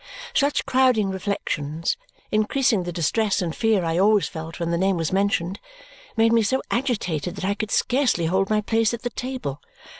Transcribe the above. Such crowding reflections, increasing the distress and fear I always felt when the name was mentioned, made me so agitated that I could scarcely hold my place at the table.